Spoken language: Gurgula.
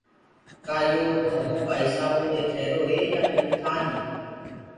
ڪآ يو ڌرمو ڪآ هِسآبو دي ٺيروئي يآن منک ٺآنيٚ